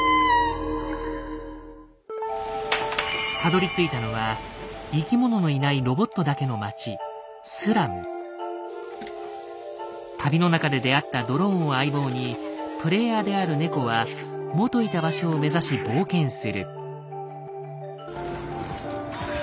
たどりついたのは生き物のいない旅の中で出会ったドローンを相棒にプレイヤーである猫は元いた場所を目指し冒険する。